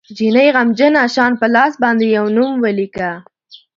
جینۍ غمجنه شان په لاس باندې یو نوم ولیکه